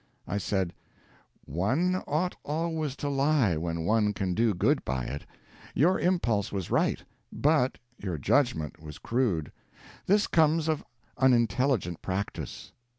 I said, "One ought always to lie when one can do good by it; your impulse was right, but, your judgment was crude; this comes of unintelligent practice.